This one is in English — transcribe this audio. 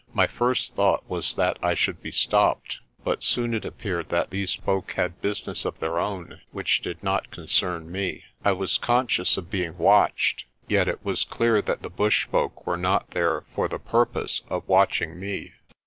My first thought was that I should be stopped, but soon it ap peared that these folk had business of their own which did THE REV. JOHN LAPUTA 109 not concern me. I was conscious of being watched, yet it was clear that the bush folk were not there for the purpose of watching me.